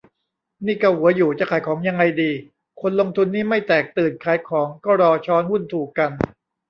นี่เกาหัวอยู่ จะขายของยังไงดี คนลงทุนนี่ไม่แตกตื่นขายของก็รอช้อนหุ้นถูกกัน